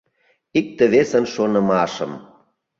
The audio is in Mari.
Икте-весын шонымашым